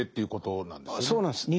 そうなんです。